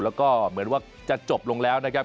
แล้วก็เหมือนว่าจะจบลงแล้วนะครับ